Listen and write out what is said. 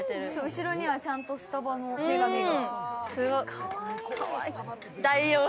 後ろにはちゃんとスタバの女神が。